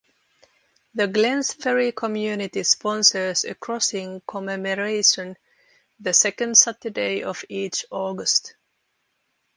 The Glenns Ferry community sponsors a crossing commemoration the second Saturday of each August.